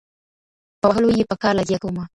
په وهلو یې په کار لګیا کومه